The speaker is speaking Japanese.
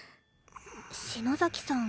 篠崎さん